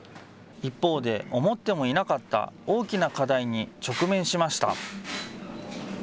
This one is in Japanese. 一方で、思ってもいなかった大きな課題に直面しました。